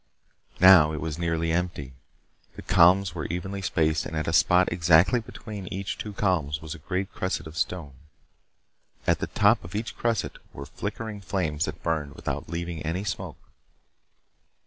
Now, it was nearly empty. The columns were evenly spaced and at a spot exactly between each two columns was a great cresset of stone. At the top of each cresset were flickering flames that burned without leaving any smoke.